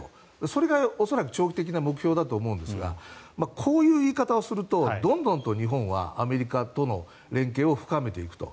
それが恐らく長期的な目標だと思うんですがこういう言い方をするとどんどんと日本はアメリカとの連携を深めていくと。